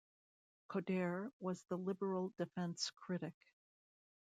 Coderre was the Liberal Defence Critic.